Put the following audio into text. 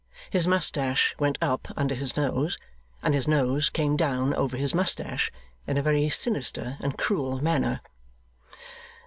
His moustache went up under his nose, and his nose came down over his moustache, in a very sinister and cruel manner.